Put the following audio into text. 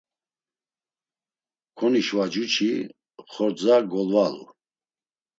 Konişvacuçi xordza golvalu.